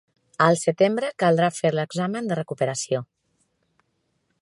Al setembre caldrà fer l'examen de recuperació.